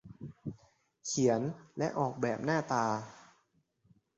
เขียนและออกแบบหน้าตา